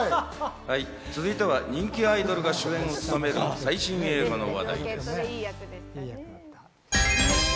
続いては人気アイドルが主演を務める最新映画の話題です。